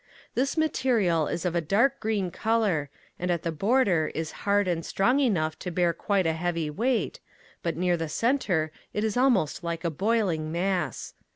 This material is of a dark green color and at the border is hard and strong enough to bear quite a heavy weight, but near the center it is almost like a boiling mass.